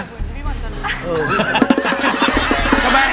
พี่บอลจะหน่อย